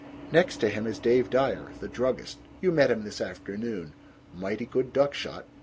Next to him is Dave Dyer the druggist you met him this afternoon mighty good duck shot.